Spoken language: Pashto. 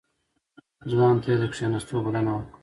ځوان ته يې د کېناستو بلنه ورکړه.